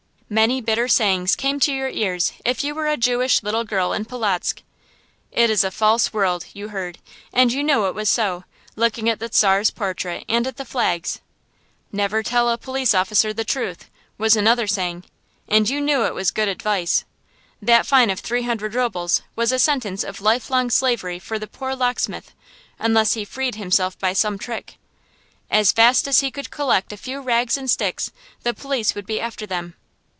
Many bitter sayings came to your ears if you were a Jewish little girl in Polotzk. "It is a false world," you heard, and you knew it was so, looking at the Czar's portrait, and at the flags. "Never tell a police officer the truth," was another saying, and you knew it was good advice. That fine of three hundred rubles was a sentence of lifelong slavery for the poor locksmith, unless he freed himself by some trick. As fast as he could collect a few rags and sticks, the police would be after them.